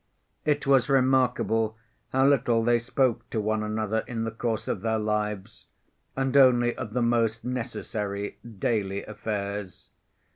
It was remarkable how little they spoke to one another in the course of their lives, and only of the most necessary daily affairs.